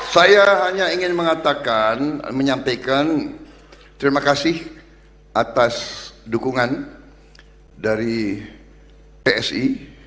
saya hanya ingin mengatakan menyampaikan terima kasih atas dukungan dari psi